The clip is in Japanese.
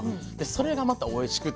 それがまたおいしくて。